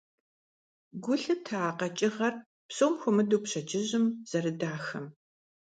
Гу лъытэ а къэкӀыгъэр, псом хуэмыдэу пщэдджыжьым, зэрыдахэм.